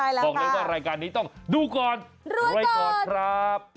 ใช่แล้วค่ะบอกเลยว่ารายการนี้ต้องดูก่อนรอยก่อนครับ